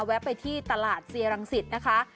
ไปที่ตลาดเซียรังสิตนะคะ